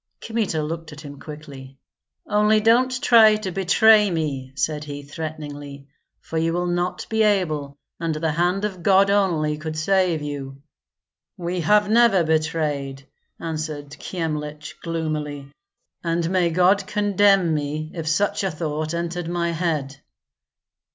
Kmita looked at him quickly. "Only don't try to betray me!" said he, threateningly, "for you will not be able, and the hand of God only could save you." "We have never betrayed," answered Kyemlich, gloomily, "and may God condemn me if such a thought entered my head."